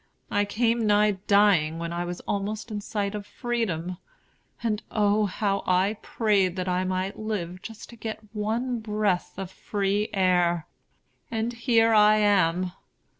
I came nigh dying when I was almost in sight of freedom; and O how I prayed that I might live just to get one breath of free air! And here I am.